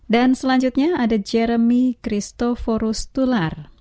dan selanjutnya ada jeremy christoforus tular